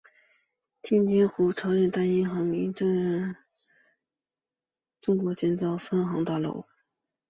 天津朝鲜银行大楼是朝鲜银行在中国天津建造的分行大楼。